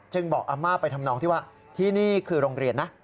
บอกอาม่าไปทำนองที่ว่าที่นี่คือโรงเรียนนะ